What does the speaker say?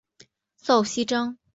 赵锡章。